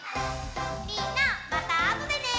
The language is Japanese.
みんなまたあとでね！